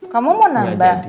kamu mau nambah